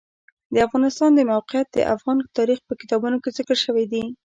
د افغانستان د موقعیت د افغان تاریخ په کتابونو کې ذکر شوی دي.